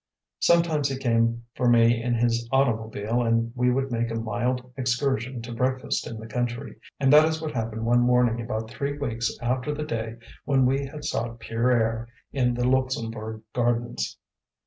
Sometimes he came for me in his automobile and we would make a mild excursion to breakfast in the country; and that is what happened one morning about three weeks after the day when we had sought pure air in the Luxembourg gardens.